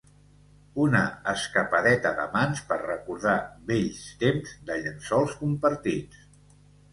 Una escapadeta d'amants per recordar vells temps de llençols compartits.